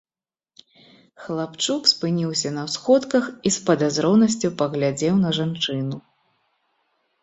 Хлапчук спыніўся на ўсходках і з падазронасцю паглядзеў на жанчыну.